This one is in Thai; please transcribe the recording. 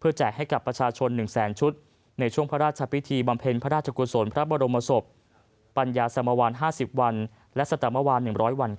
และสตะเมื่อวาน๑๐๐วัน